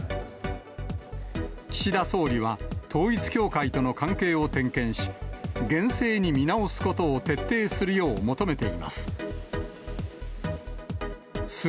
岸田総理は統一教会との関係を点検し、厳正に見直すことを徹底するよう求めています。